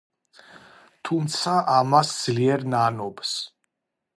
თუმცა ამას ძლიერ ნანობს.